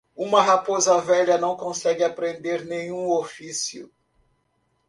Uma raposa velha não consegue aprender nenhum ofício.